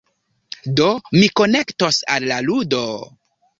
Do, mi konektos al la ludo...